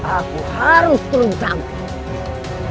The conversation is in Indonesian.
aku harus turun sampai